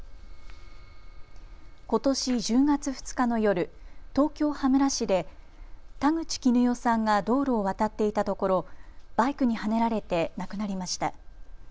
ことし１０月２日の夜、東京羽村市で田口キヌヨさんが道路を渡っていたところバイクにはねられて亡くなりました。